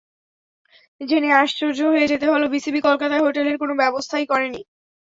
জেনে আশ্চর্য হয়ে যেতে হলো, বিসিবি কলকাতায় হোটেলের কোনো ব্যবস্থাই করেনি।